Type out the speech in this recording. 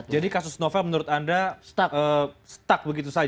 jadi kasus nova menurut anda stuck begitu saja